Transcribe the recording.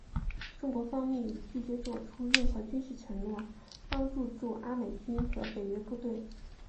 中国方面已拒绝做出任何军事承诺帮助驻阿美军和北约部队。